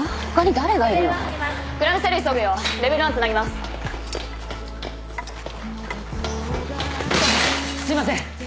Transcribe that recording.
すいません！